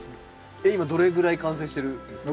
えっ今どれぐらい完成してるんですか？